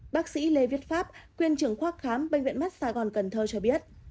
bác sĩ lê viết pháp quyền trưởng khoác khám bệnh viện mắt sài gòn cần thơ cho biết